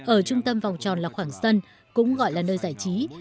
ở trung tâm vòng tròn là khoảng sân cũng gọi là nơi giải trí